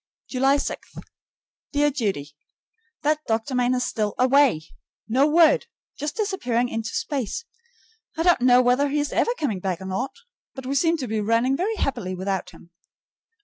July 6. Dear Judy: That doctor man is still away. No word; just disappeared into space. I don't know whether he is ever coming back or not, but we seem to be running very happily without him.